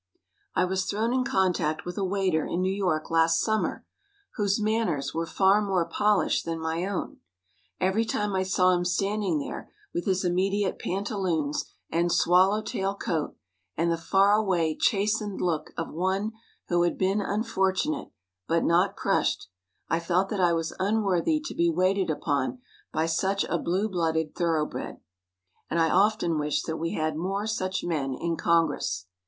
I was thrown in contact with a waiter in New York last summer, whose manners were far more polished than my own. Every time I saw him standing there with his immediate pantaloons and swallow tail coat, and the far away, chastened look of one who had been unfortunate, but not crushed, I felt that I was unworthy to be waited upon by such a blue blooded thoroughbred, and I often wished that we had more such men in Congress.